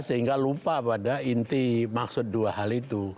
sehingga lupa pada inti maksud dua hal itu